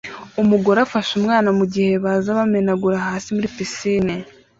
Umugore afashe umwana mugihe baza bamenagura hasi muri pisine